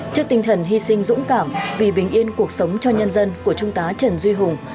trước tinh thần hy sinh dũng cảm vì bình yên cuộc sống cho nhân dân của trung tá trần duy hùng